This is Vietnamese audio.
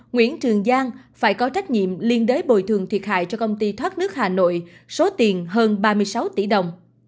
nguyễn trường giang phải có trách nhiệm liên đới bồi thường thiệt hại cho công ty thoát nước hà nội số tiền hơn ba mươi sáu tỷ đồng